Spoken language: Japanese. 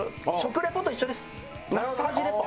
マッサージレポ。